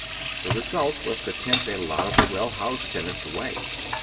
The result was to tempt a lot of the well housed tenants away.